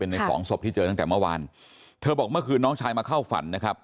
ในสองศพที่เจอตั้งแต่เมื่อวานเธอบอกเมื่อคืนน้องชายมาเข้าฝันนะครับ